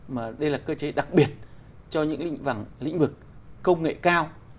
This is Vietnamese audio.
mà đây là cơ chế đặc biệt cho những lĩnh vực công nghệ cao